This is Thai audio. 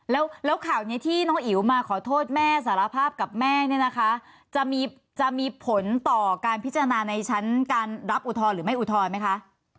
แล้วข่าวนี้ที่น้องอิ๋วมาขอโทษแม่สารภาพกับแม่เนี่ยนะคะจะมีผลต่อการพิจารณาในชั้นการรับอุทธรณ์หรือไม่อุทธรณ์ไหมคะ